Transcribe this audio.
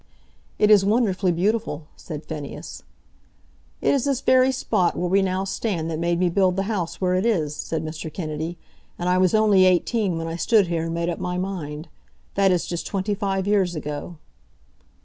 "It is wonderfully beautiful," said Phineas. "It is this very spot where we now stand that made me build the house where it is," said Mr. Kennedy, "and I was only eighteen when I stood here and made up my mind. That is just twenty five years ago."